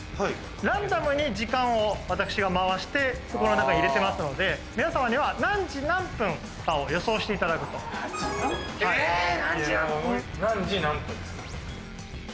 ランダムに時間を私が回して袋の中に入れてますので皆さまには何時何分かを予想していただくとえ何時何分？